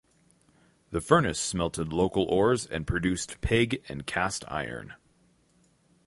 The furnace smelted local ores and produced pig and cast iron.